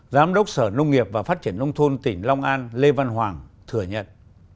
giám đốc sở nông nghiệp và phát triển nông thôn tỉnh long an lê văn hoàng thừa nhận